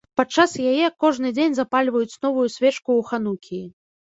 Падчас яе кожны дзень запальваюць новую свечку ў ханукіі.